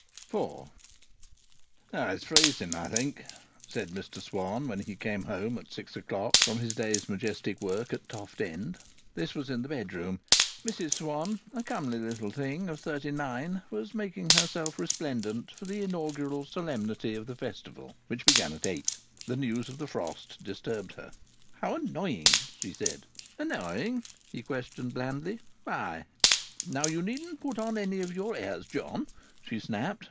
IV "It's freezing, I think," said Mr Swann, when he came home at six o'clock from his day's majestic work at Toft End. This was in the bedroom. Mrs Swann, a comely little thing of thirty nine, was making herself resplendent for the inaugural solemnity of the Festival, which began at eight. The news of the frost disturbed her. "How annoying!" she said. "Annoying?" he questioned blandly. "Why?" "Now you needn't put on any of your airs, John!" she snapped.